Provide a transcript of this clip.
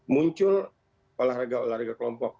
muncul olahraga olahraga kelompok